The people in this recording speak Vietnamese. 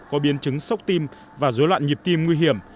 có biến chứng sốc tim và dối loạn nhịp tim nguy hiểm